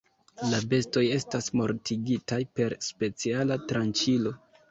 La bestoj estas mortigitaj per speciala tranĉilo.